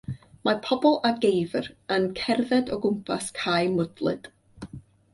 Mae pobl a geifr yn cerdded o gwmpas cae mwdlyd.